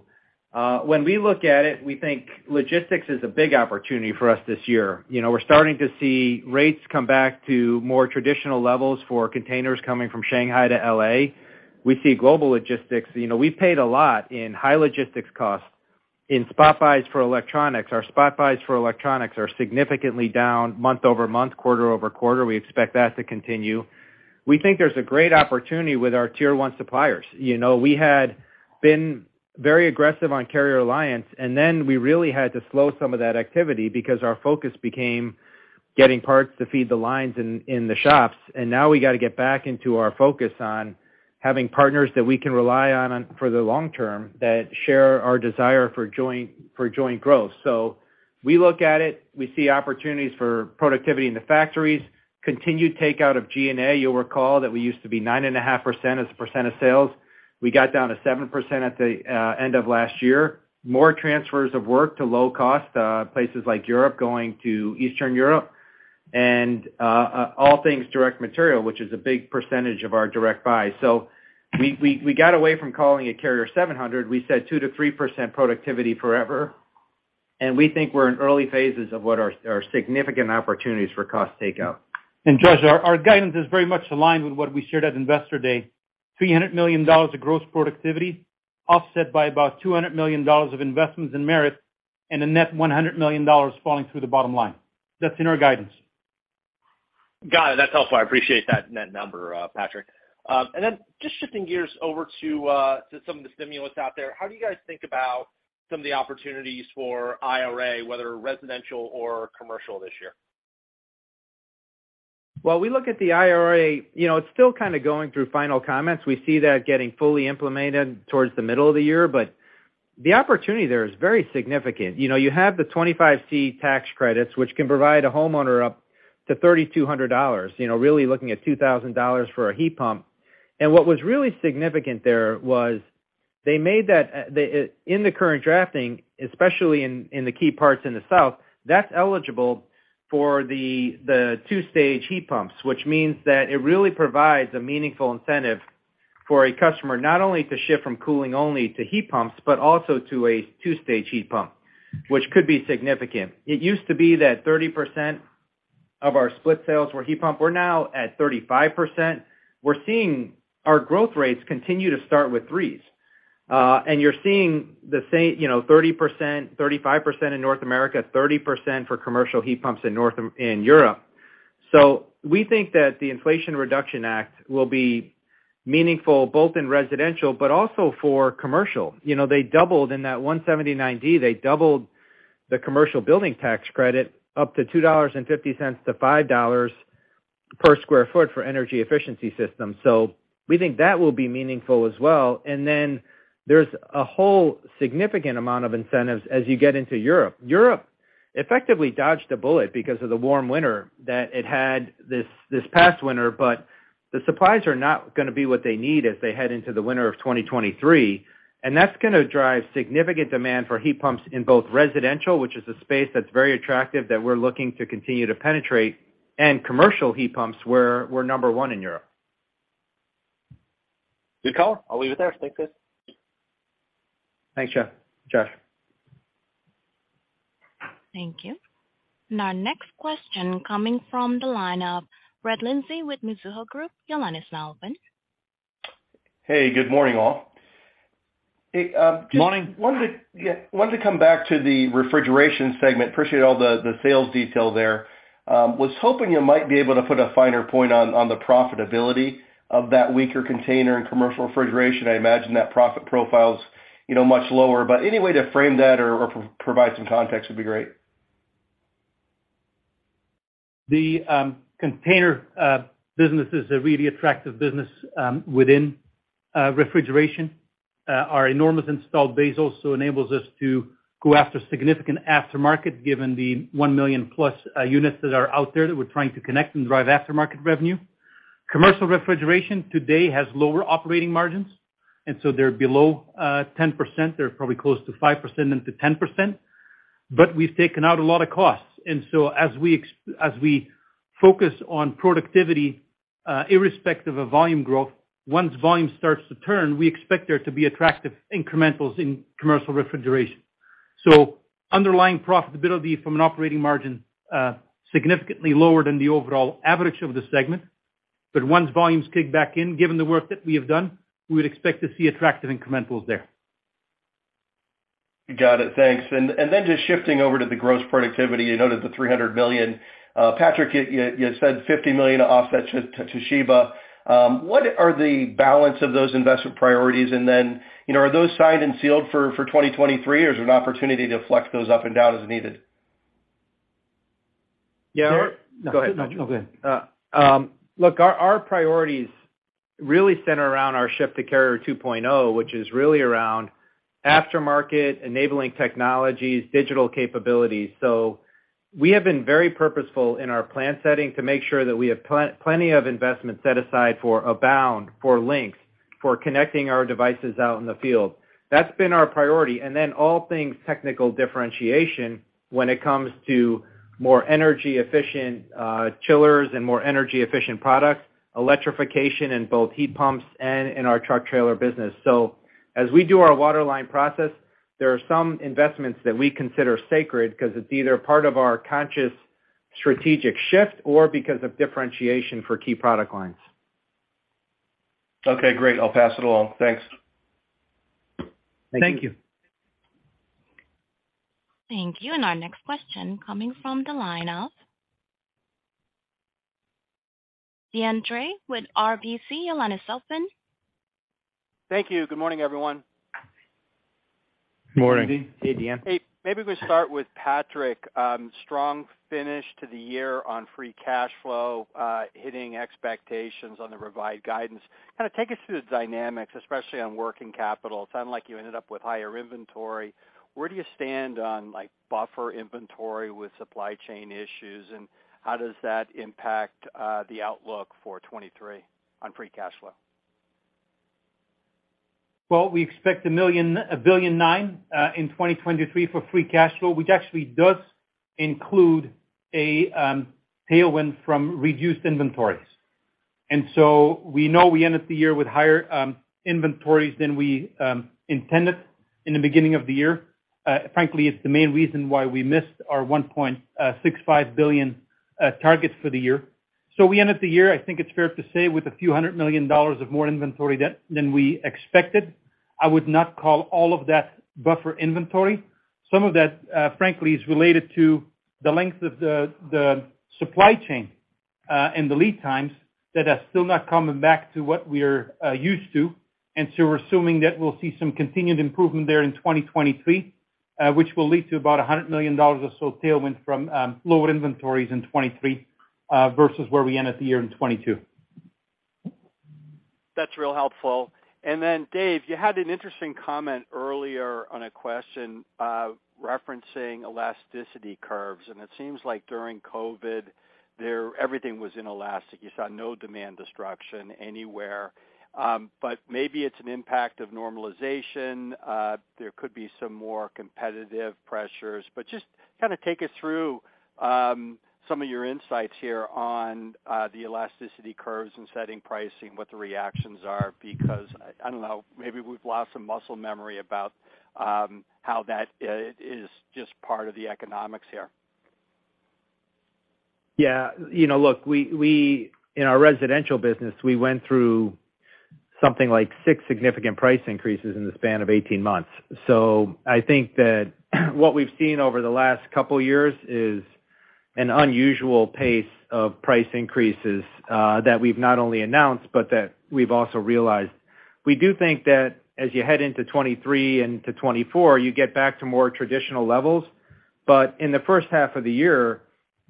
When we look at it, we think logistics is a big opportunity for us this year. You know, we're starting to see rates come back to more traditional levels for containers coming from Shanghai to L.A. We see global logistics. You know, we paid a lot in high logistics costs in spot buys for electronics. Our spot buys for electronics are significantly down month-over-month, quarter-over-quarter. We expect that to continue. We think there's a great opportunity with our tier one suppliers. You know, we had been very aggressive on Carrier Alliance, then we really had to slow some of that activity because our focus became getting parts to feed the lines in the shops. Now we got to get back into our focus on having partners that we can rely on for the long term that share our desire for joint growth. We look at it, we see opportunities for productivity in the factories, continued takeout of G&A. You'll recall that we used to be 9.5% as a percent of sales. We got down to 7% at the end of last year. More transfers of work to low cost places like Europe, going to Eastern Europe and all things direct material, which is a big percentage of our direct buys. We got away from calling it Carrier 700. We said 2%-3% productivity forever, and we think we're in early phases of what are significant opportunities for cost takeout. Josh, our guidance is very much aligned with what we shared at Investor Day. $300 million of gross productivity offset by about $200 million of investments in merit and a net $100 million falling through the bottom line. That's in our guidance. Got it. That's helpful. I appreciate that net number, Patrick. Then just shifting gears over to some of the stimulus out there, how do you guys think about some of the opportunities for IRA, whether residential or commercial this year? Well, we look at the IRA, you know, it's still kind of going through final comments. We see that getting fully implemented towards the middle of the year. The opportunity there is very significant. You know, you have the 25C tax credits, which can provide a homeowner up to $3,200, you know, really looking at $2,000 for a heat pump. What was really significant there was they made that in the current drafting, especially in the key parts in the south, that's eligible for the two-stage heat pumps, which means that it really provides a meaningful incentive for a customer not only to shift from cooling only to heat pumps, but also to a two-stage heat pump, which could be significant. It used to be that 30% of our split sales were heat pump. We're now at 35%. We're seeing our growth rates continue to start with threes. You're seeing the same, you know, 30%, 35% in North America, 30% for commercial heat pumps in Europe. We think that the Inflation Reduction Act will be meaningful both in residential but also for commercial. You know, they doubled in that 179D. They doubled the commercial building tax credit up to $2.50 to $5 per sq ft for energy efficiency system. We think that will be meaningful as well. There's a whole significant amount of incentives as you get into Europe. Europe effectively dodged a bullet because of the warm winter that it had this past winter, but the supplies are not gonna be what they need as they head into the winter of 2023. That's gonna drive significant demand for heat pumps in both residential, which is a space that's very attractive that we're looking to continue to penetrate, and commercial heat pumps, where we're number one in Europe. Good call. I'll leave it there. Thanks, guys. Thanks, Josh. Thank you. Our next question coming from the line of Brett Linzey with Mizuho Group. Your line is now open. Hey, good morning, all. Good morning. Yeah, wanted to come back to the refrigeration segment. Appreciate all the sales detail there. Was hoping you might be able to put a finer point on the profitability of that weaker container in commercial refrigeration. I imagine that profit profile's, you know, much lower, but any way to frame that or provide some context would be great. The container business is a really attractive business within refrigeration. Our enormous installed base also enables us to go after significant aftermarket given the 1 million-plus units that are out there that we're trying to connect and drive aftermarket revenue. Commercial refrigeration today has lower operating margins, so they're below 10%. They're probably close to 5% and to 10%. We've taken out a lot of costs. As we focus on productivity, irrespective of volume growth, once volume starts to turn, we expect there to be attractive incrementals in commercial refrigeration. Underlying profitability from an operating margin significantly lower than the overall average of the segment. Once volumes kick back in, given the work that we have done, we would expect to see attractive incrementals there. Got it. Thanks. Just shifting over to the gross productivity, you noted the $300 million. Patrick, you said $50 million offset to Toshiba. What are the balance of those investment priorities? You know, are those signed and sealed for 2023, or is there an opportunity to flex those up and down as needed? Yeah. Go ahead. No, go ahead. Look, our priorities really center around our shift to Carrier 2.0, which is really around aftermarket, enabling technologies, digital capabilities. We have been very purposeful in our plan setting to make sure that we have plenty of investments set aside for Abound, for Lynx, for connecting our devices out in the field. That's been our priority. Then all things technical differentiation when it comes to more energy efficient chillers and more energy efficient products, electrification in both heat pumps and in our truck trailer business. As we do our waterline process, there are some investments that we consider sacred 'cause it's either part of our conscious strategic shift or because of differentiation for key product lines. Okay, great. I'll pass it along. Thanks. Thank you. Thank you. Thank you. Our next question coming from the line of Deane Dray with RBC. Your line is open. Thank you. Good morning, everyone. Morning. Good morning. Hey, Deane. Hey, maybe we start with Patrick. Strong finish to the year on free cash flow, hitting expectations on the revised guidance. Kinda take us through the dynamics, especially on working capital. It sounded like you ended up with higher inventory. Where do you stand on, like, buffer inventory with supply chain issues, and how does that impact the outlook for 2023 on free cash flow? Well, we expect $1.9 billion in 2023 for free cash flow, which actually does include a tailwind from reduced inventories. We know we ended the year with higher inventories than we intended in the beginning of the year. Frankly, it's the main reason why we missed our $1.65 billion targets for the year. We ended the year, I think it's fair to say, with a few hundred million dollars of more inventory debt than we expected. I would not call all of that buffer inventory. Some of that, frankly, is related to the length of the supply chain and the lead times that are still not coming back to what we're used to. We're assuming that we'll see some continued improvement there in 2023, which will lead to about $100 million or so tailwind from lower inventories in 2023 versus where we ended the year in 2022. That's real helpful. David, you had an interesting comment earlier on a question, referencing elasticity curves, and it seems like during COVID, everything was inelastic. You saw no demand destruction anywhere. Maybe it's an impact of normalization. There could be some more competitive pressures. Just kinda take us through some of your insights here on the elasticity curves and setting pricing, what the reactions are, because I don't know, maybe we've lost some muscle memory about how that is just part of the economics here. You know, look, we in our residential business, we went through something like 6 significant price increases in the span of 18 months. I think that what we've seen over the last couple years is an unusual pace of price increases that we've not only announced but that we've also realized. We do think that as you head into 2023 and to 2024, you get back to more traditional levels. In the first half of the year,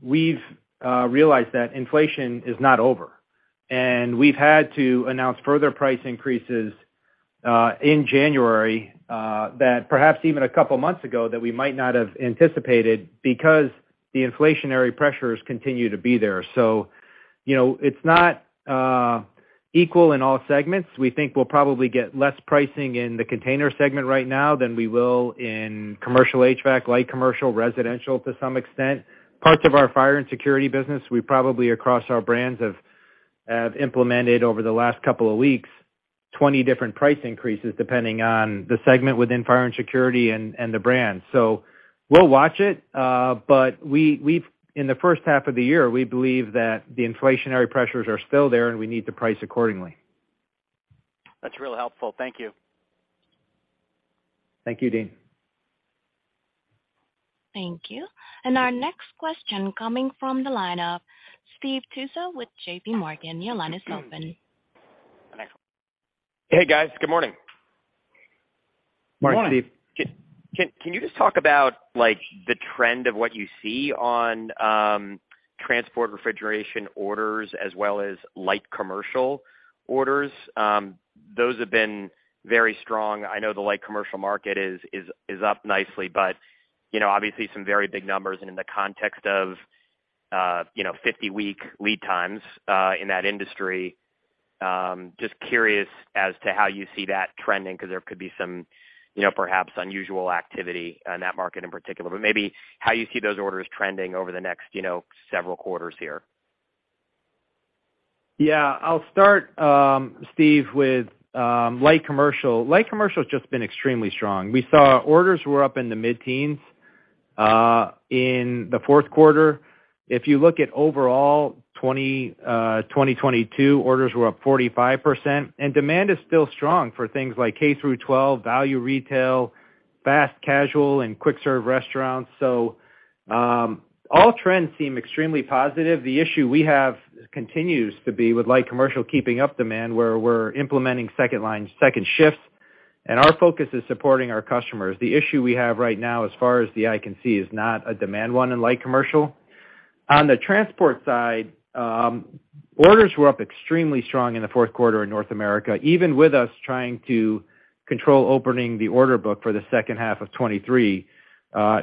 we've realized that inflation is not over. We've had to announce further price increases in January that perhaps even a couple months ago, that we might not have anticipated because the inflationary pressures continue to be there. You know, it's not equal in all segments. We think we'll probably get less pricing in the container segment right now than we will in commercial HVAC, light commercial, residential to some extent. Parts of our Fire & Security business, we probably across our brands have implemented over the last couple of weeks, 20 different price increases depending on the segment within Fire & Security and the brand. We'll watch it, but we've in the first half of the year, we believe that the inflationary pressures are still there, and we need to price accordingly. That's real helpful. Thank you. Thank you, Deane. Thank you. Our next question coming from the line of Steve Tusa with JPMorgan. Your line is open. Hey, guys. Good morning. Morning. Morning, Steve. Can you just talk about, like, the trend of what you see on transport refrigeration orders as well as light commercial orders? Those have been very strong. I know the light commercial market is up nicely, but, you know, obviously some very big numbers and in the context of, you know, 50-week lead times in that industry. Just curious as to how you see that trending 'cause there could be some, you know, perhaps unusual activity in that market in particular, but maybe how you see those orders trending over the next, you know, several quarters here. Yeah. I'll start, Steve, with light commercial. Light commercial's just been extremely strong. We saw orders were up in the mid-teens in the fourth quarter. If you look at overall, 2022 orders were up 45% and demand is still strong for things like K-12 value retail, fast casual and quick serve restaurants. All trends seem extremely positive. The issue we have continues to be with light commercial keeping up demand, where we're implementing second line, second shifts, and our focus is supporting our customers. The issue we have right now, as far as the eye can see, is not a demand one in light commercial. On the transport side, orders were up extremely strong in the fourth quarter in North America, even with us trying to control opening the order book for the second half of 2023.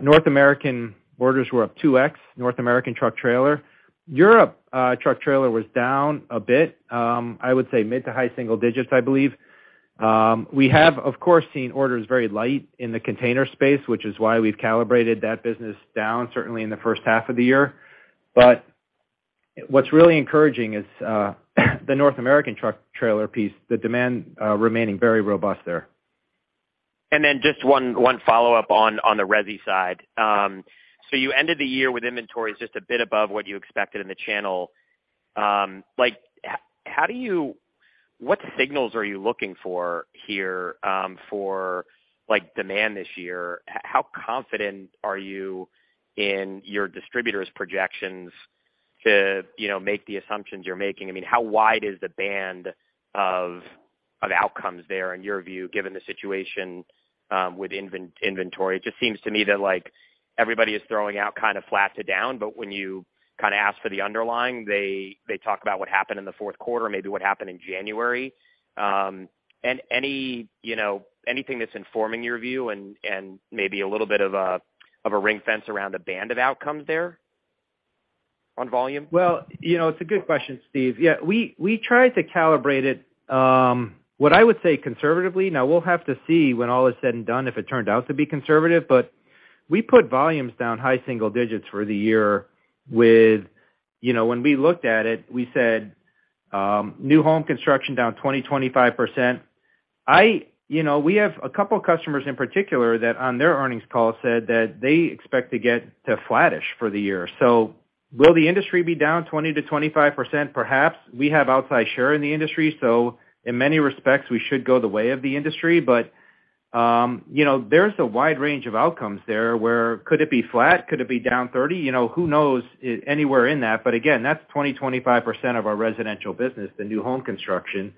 North American orders were up 2x. North American truck trailer. Europe, truck trailer was down a bit. I would say mid to high single digits, I believe. We have, of course, seen orders very light in the container space, which is why we've calibrated that business down certainly in the first half of the year. What's really encouraging is the North American truck trailer piece, the demand, remaining very robust there. Just one follow-up on the resi side. You ended the year with inventories just a bit above what you expected in the channel. What signals are you looking for here for demand this year? How confident are you in your distributors' projections to, you know, make the assumptions you're making? I mean, how wide is the band of outcomes there in your view, given the situation with inventory? It just seems to me that, like, everybody is throwing out kind of flat to down, but when you kinda ask for the underlying, they talk about what happened in the fourth quarter, maybe what happened in January. Any, you know, anything that's informing your view and maybe a little bit of a ring fence around a band of outcomes there on volume? Well, you know, it's a good question, Steve. Yeah. We try to calibrate it, what I would say conservatively. We'll have to see when all is said and done, if it turned out to be conservative. We put volumes down high single digits for the year with, you know, when we looked at it, we said, new home construction down 20%-25%. You know, we have a couple of customers in particular that on their earnings call said that they expect to get to flattish for the year. Will the industry be down 20%-25%? Perhaps. We have outside share in the industry, so in many respects, we should go the way of the industry. You know, there's a wide range of outcomes there where could it be flat? Could it be down 30? You know, who knows anywhere in that. Again, that's 20%-25% of our residential business, the new home construction.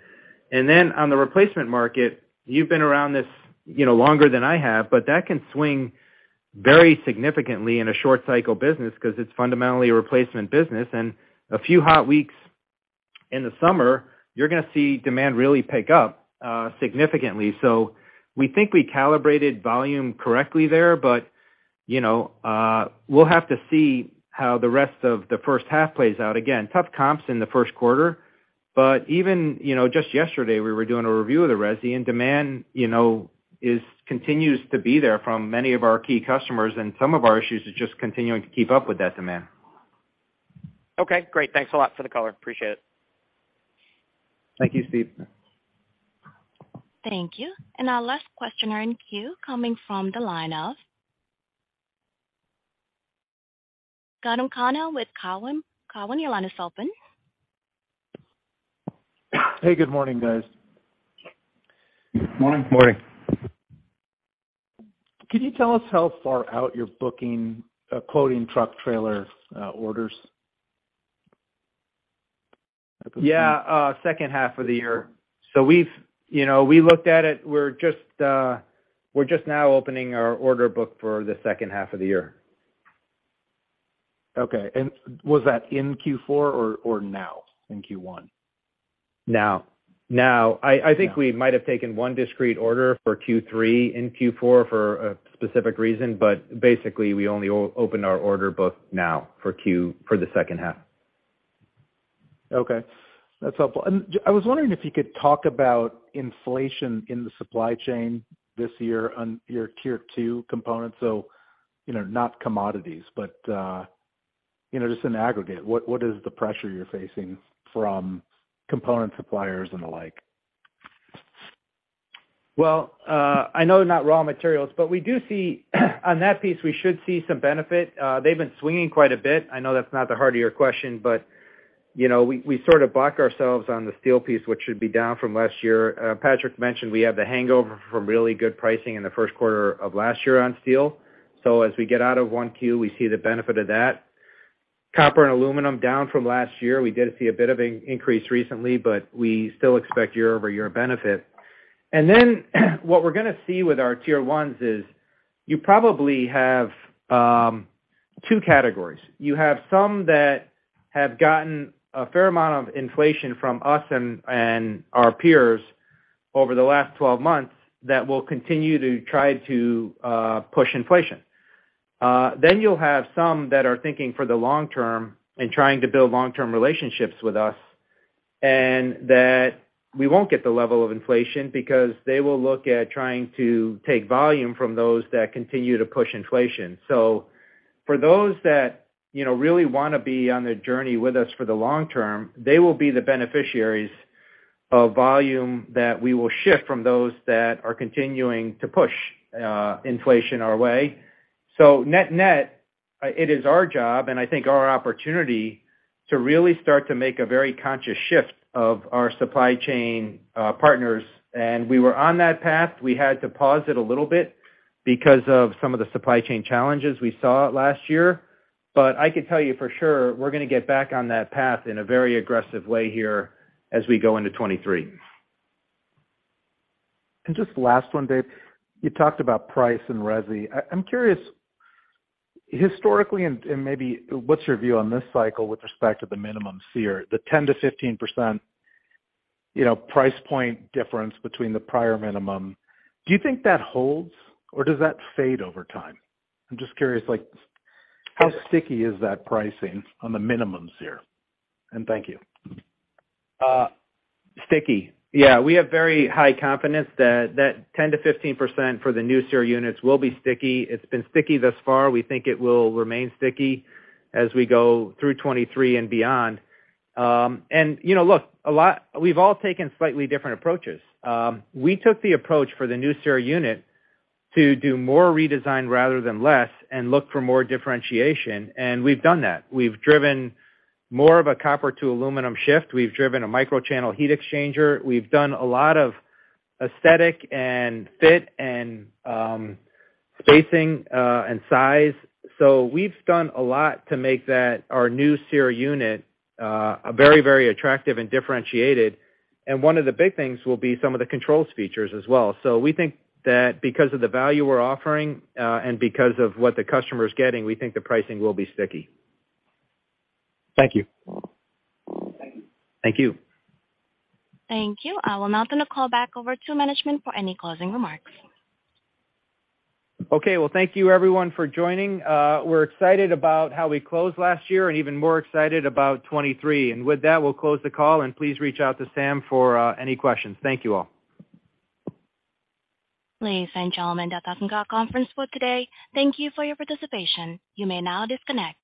Then on the replacement market, you've been around this, you know, longer than I have, but that can swing very significantly in a short cycle business 'cause it's fundamentally a replacement business. A few hot weeks in the summer, you're gonna see demand really pick up significantly. We think we calibrated volume correctly there, but, you know, we'll have to see how the rest of the first half plays out. Again, tough comps in the first quarter, but even, you know, just yesterday, we were doing a review of the resi and demand, you know, is continues to be there from many of our key customers and some of our issues is just continuing to keep up with that demand. Okay, great. Thanks a lot for the color. Appreciate it. Thank you, Steve. Thank you. Our last questioner in queue coming from the line of Gautam Khanna with Cowen. Cowen, your line is open. Hey, good morning, guys. Morning. Morning. Could you tell us how far out you're booking, quoting truck trailer, orders? Yeah, second half of the year. You know, we looked at it. We're just now opening our order book for the second half of the year. Okay. Was that in Q4 or now in Q1? Now. I think we might have taken one discrete order for Q3 in Q4 for a specific reason. Basically, we only open our order book now for the second half. Okay, that's helpful. I was wondering if you could talk about inflation in the supply chain this year on your tier two components. You know, not commodities, but, you know, just in aggregate, what is the pressure you're facing from component suppliers and the like? Well, I know they're not raw materials, but we do see on that piece, we should see some benefit. They've been swinging quite a bit. I know that's not the heart of your question, but, you know, we sort of buck ourselves on the steel piece, which should be down from last year. Patrick mentioned we have the hangover from really good pricing in the first quarter of last year on steel. As we get out of 1Q, we see the benefit of that. Copper and aluminum down from last year. We did see a bit of an increase recently, but we still expect year-over-year benefit. What we're gonna see with our tier ones is you probably have two categories. You have some that have gotten a fair amount of inflation from us and our peers over the last 12 months that will continue to try to push inflation. Then you'll have some that are thinking for the long term and trying to build long-term relationships with us, and that we won't get the level of inflation because they will look at trying to take volume from those that continue to push inflation. For those that, you know, really wanna be on the journey with us for the long term, they will be the beneficiaries of volume that we will shift from those that are continuing to push inflation our way. Net-net, it is our job and I think our opportunity to really start to make a very conscious shift of our supply chain partners. We were on that path. We had to pause it a little bit because of some of the supply chain challenges we saw last year. I could tell you for sure, we're gonna get back on that path in a very aggressive way here as we go into 2023. Just last one, Dave. You talked about price and resi. I'm curious, historically and maybe what's your view on this cycle with respect to the minimum SEER, the 10%-15%, you know, price point difference between the prior minimum. Do you think that holds or does that fade over time? I'm just curious, like, how sticky is that pricing on the minimum SEER? Thank you. Sticky. Yeah, we have very high confidence that that 10%-15% for the new SEER units will be sticky. It's been sticky thus far. We think it will remain sticky as we go through 2023 and beyond. You know, look, a lot. We've all taken slightly different approaches. We took the approach for the new SEER unit to do more redesign rather than less and look for more differentiation, and we've done that. We've driven more of a copper to aluminum shift. We've driven a microchannel heat exchanger. We've done a lot of aesthetic and fit and spacing and size. We've done a lot to make that, our new SEER unit, very, very attractive and differentiated. One of the big things will be some of the controls features as well. We think that because of the value we're offering, and because of what the customer is getting, we think the pricing will be sticky. Thank you. Thank you. Thank you. I will now turn the call back over to management for any closing remarks. Okay. Well, thank you everyone for joining. We're excited about how we closed last year and even more excited about 2023. With that, we'll close the call and please reach out to Sam for any questions. Thank you all. Ladies and gentlemen, that does end our conference call today. Thank you for your participation. You may now disconnect.